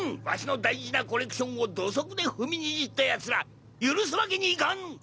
わしの大事なコレクションを土足で踏みにじったやつら許すわけにいかぬ！